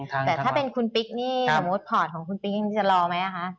แต่ถ้าเป็นคุณปิ๊กนี่สมมุติพอร์ตของคุณปิ๊กจะรอไหมคะ